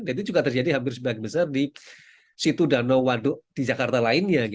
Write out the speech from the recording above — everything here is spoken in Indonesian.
itu juga terjadi hampir sebagian besar di situ danau waduk di jakarta lainnya